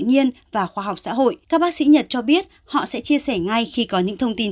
nhiên và khoa học xã hội các bác sĩ nhật cho biết họ sẽ chia sẻ ngay khi có những thông tin